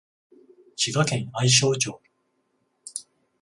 滋賀県愛荘町